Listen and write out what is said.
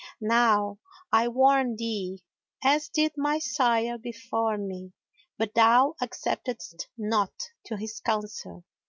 Now, I warn thee, as did my sire before me, but thou acceptedest not to his counsel."